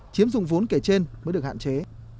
chiếm dụng vốn kể trên mới được hạn chế